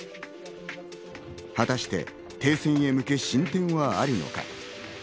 果たして停戦へ向け進展はあるのか。